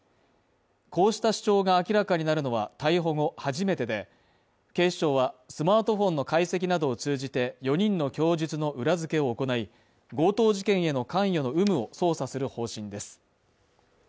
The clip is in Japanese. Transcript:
こうした主張が明らかになるのは、逮捕後初めてで、警視庁は、スマートフォンの解析などを通じて、４人の供述の裏付けを行い強盗事件への関与の有無を捜査する方針です。